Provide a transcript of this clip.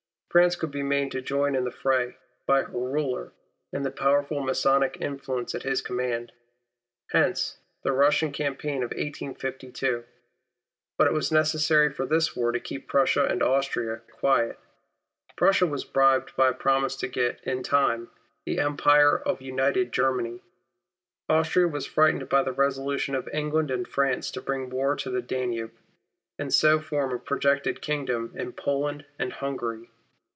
France could be made join in the fray, by her ruler, and the powerful Masonic influence at his command : Therefore, the Russian campaign of 1852. But it was necessary for this war to keep Prussia and Austria quiet. Prussia was bribed by a promise to get, in time, the Empire of United Germany. Austria was frightened by the resolution of England and France to bring war to the Danube, and so form a projected Kingdom in Poland and Hungary.